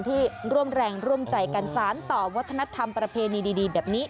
ที่ร่วมแรงร่วมใจกันสารต่อวัฒนธรรมประเพณีดีแบบนี้